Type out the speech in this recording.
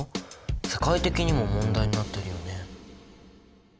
世界的にも問題になってるよね。